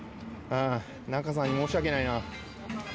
仲さんに申し訳ないな。